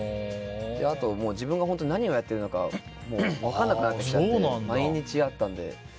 あと、自分が何をやっているのか分からなくなってきちゃって毎日あったので。